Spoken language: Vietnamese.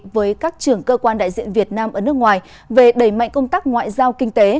với các trưởng cơ quan đại diện việt nam ở nước ngoài về đẩy mạnh công tác ngoại giao kinh tế